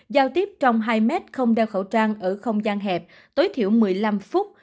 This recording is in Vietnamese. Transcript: giao tiếp trong hai mét không đeo khẩu trang ở không gian hẹp tối thiểu một mươi năm phút